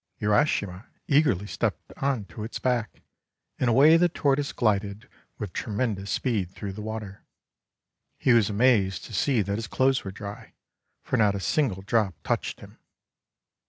Urashima eagerly stepped on to its back, and away the Tortoise glided with tremendous speed through the water. He was amazed to see that his clothes were dry, for not a single drop touched him.